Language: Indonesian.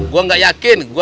gua gak yakin